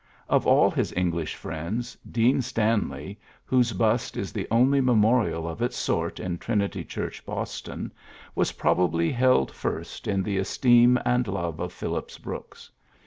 Of all his English friends. Dean Stanley, whose bust is the only memorial of its sort in Trinity Church, Boston, was probably held fii st in the esteem and love of Phillips Brooks.